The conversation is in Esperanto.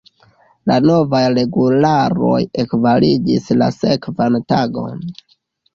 La novaj regularoj ekvalidis la sekvan tagon.